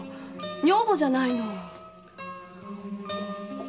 女房じゃないの！